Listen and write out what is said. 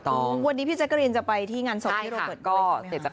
วันนี้พี่แจ๊กกะรีนจะไปที่งานศพพี่โรเบิร์ตก็เสร็จจาก